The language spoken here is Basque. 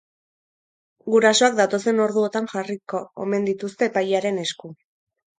Gurasoak datozen orduotan jarriko omen dituzte epailearen esku.